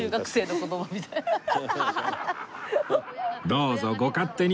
どうぞご勝手に